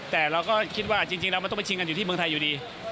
แต่เราก็คิดว่าจริงแล้วมันต้องไปชิงกันอยู่ที่เมืองไทยอยู่ดี